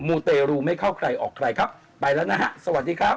ูเตรูไม่เข้าใครออกใครครับไปแล้วนะฮะสวัสดีครับ